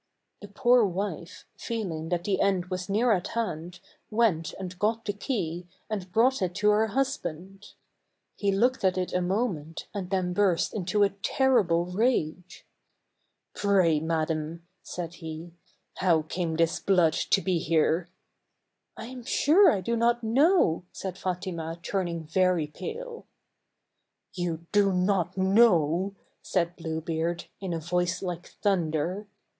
The poor wife, feeling that the end was near at hand, went and got the key, and brought it to her husband. He looked at it a moment, and then burst into a terrible rage. " Pray, madam," said he, "how came this blood to be here?" " I am sure I do not know," said Fatima, turning very pale. " You do not know ?" said Blue Beard, in a voice like thun der.